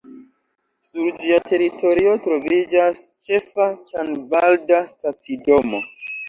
Sur ĝia teritorio troviĝas ĉefa tanvalda stacidomo.